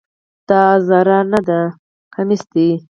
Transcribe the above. دا زری نده، کمیس ده.